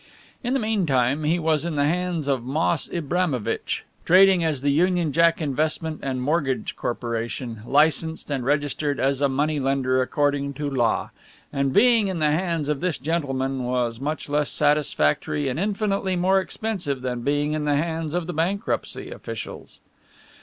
In the meantime he was in the hands of Moss Ibramovitch, trading as the Union Jack Investment and Mortgage Corporation, licensed and registered as a moneylender according to law. And being in the hands of this gentleman, was much less satisfactory and infinitely more expensive than being in the hands of the bankruptcy officials.